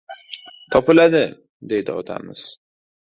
— Topiladi! — deydi otamiz.